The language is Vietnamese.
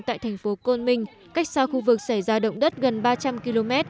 tại thành phố côn minh cách xa khu vực xảy ra động đất gần ba trăm linh km